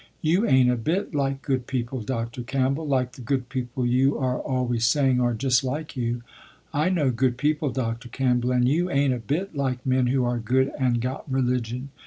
You ain't a bit like good people Dr. Campbell, like the good people you are always saying are just like you. I know good people Dr. Campbell, and you ain't a bit like men who are good and got religion.